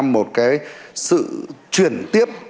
một cái sự chuyển tiếp